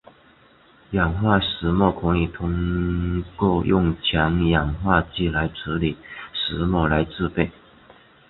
氧化石墨可以通过用强氧化剂来处理石墨来制备。